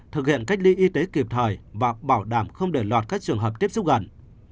thực hiện cách ly y tế kịp thời và bảo đảm không để lọt các trường hợp tiếp xúc gần